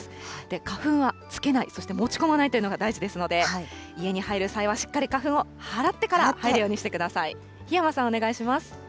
花粉はつけない、そして持ち込まないというのが大事ですので、家に入る際は、しっかり花粉を払ってから入るようにしてください。